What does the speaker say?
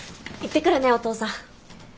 いってくるねお父さん。